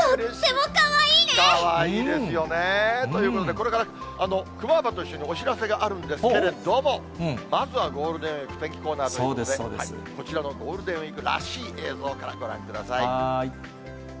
かわいいですよね。ということで、これから、クマーバと一緒にお知らせがあるんですけれども、まずはゴールデンウィーク天気コーナーですので、こちらのゴールデンウィークらしい映像からご覧ください。